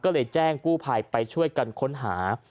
ก็เลยแจ้งกู้ภัยไปช่วยกันค้นหา